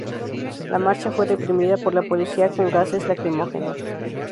La marcha fue reprimida por la polícia con gases lacrimógenos.